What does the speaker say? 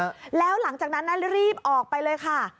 ใช้แล้วหลังจากนั้นรีบนะส์รีบออกไปเลยค่ะ